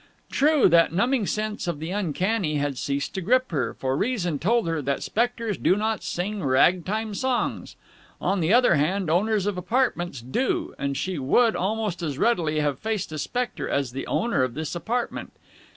True, that numbing sense of the uncanny had ceased to grip her, for Reason told her that spectres do not sing rag time songs. On the other hand, owners of apartments do, and she would almost as readily have faced a spectre as the owner of this apartment.